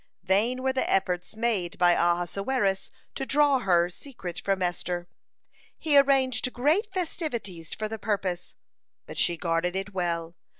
(83) Vain were the efforts made by Ahasuerus to draw her secret from Esther. He arranged great festivities for the purpose, but she guarded it well.